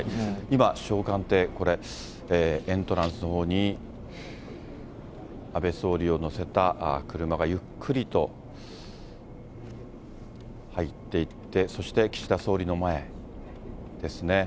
今、首相官邸、これ、エントランスのほうに安倍総理を乗せた車がゆっくりと入っていって、そして岸田総理の前ですね。